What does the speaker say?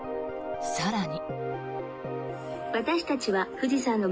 更に。